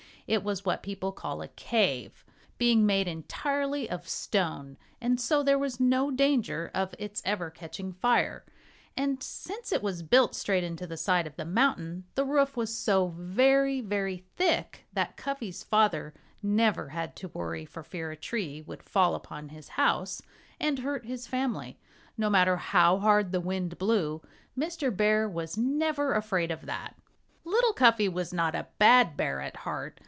It was what people call a cave, being made entirely of stone, and so there was no danger of its ever catching fire; and since it was built straight into the side of the mountain the roof was so very, very thick that Cuffy's father never had to worry for fear a tree would fall upon his house and hurt his family. No matter how hard the wind blew, Mr. Bear was never afraid of that. Little Cuffy was not a bad bear at heart.